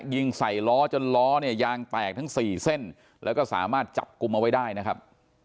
ยิงใส่ล้อยังแตกทั้ง๔เส้นแล้วก็สามารถจับกุมเอาไว้ได้นะครับ